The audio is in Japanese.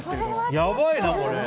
やばいな、これ。